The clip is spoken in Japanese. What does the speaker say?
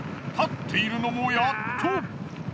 立っているのもやっと！